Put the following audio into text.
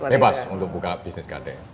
bebas untuk buka bisnis gade